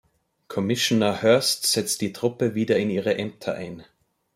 Commissioner Hurst setzt die Truppe wieder in ihre Ämter ein.